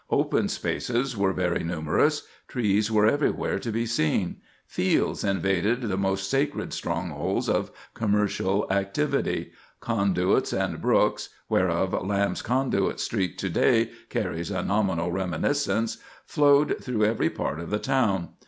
Open spaces were very numerous; trees were everywhere to be seen; fields invaded the most sacred strongholds of commercial activity; conduits and brooks (whereof Lamb's Conduit Street to day carries a nominal reminiscence) flowed through every part of the town.